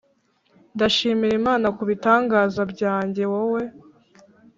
ndashimira imana kubitangaza byanjye, wowe